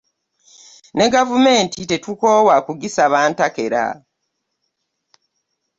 Ne gavumenti tetukoowa kugisaba ntakera.